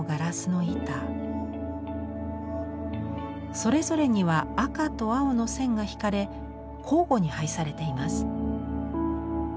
それぞれには赤と青の線が引かれ交互に配されています。